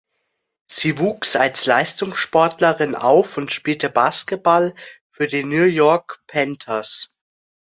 Sie wuchs als Leistungssportlerin auf und spielte Basketball für die New York Panthers.